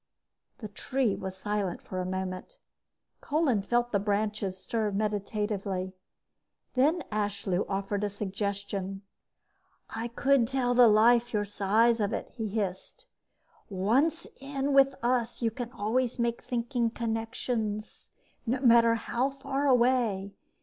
The tree was silent for a moment. Kolin felt the branches stir meditatively. Then Ashlew offered a suggestion. "I could tell the Life your side of it," he hissed. "Once in with us, you can always make thinking connections, no matter how far away.